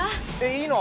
いいの？